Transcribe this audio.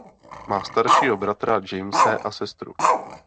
Má staršího bratra Jamese a sestru.